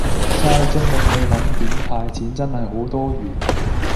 晒精力去唸點派錢真係好多餘